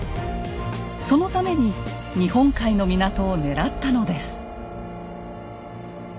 そのために日本海の港を狙ったのです。